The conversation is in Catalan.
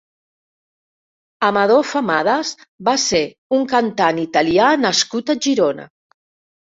Amador Famadas va ser un cantant italià nascut a Girona.